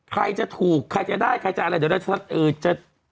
ใครจะถูกใครจะได้ใครจะอะไรเดี๋ยวเราจะ